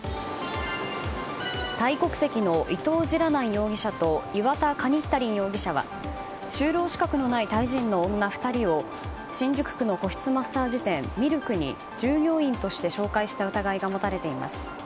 タイ国籍のイトウ・ジラナン容疑者とイワタ・カニッタリン容疑者は就労資格のないタイ人の女２人を新宿区の個室マッサージ店ミルクに従業員として紹介した疑いが持たれています。